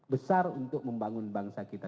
besar untuk membangun bangsa kita